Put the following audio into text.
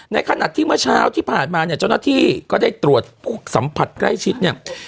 ในขณะที่เมื่อเช้าที่ผ่านมาเนี่ยเจ้าหน้าที่ก็ได้ตรวจผู้สัมผัสใกล้ชิดเนี่ย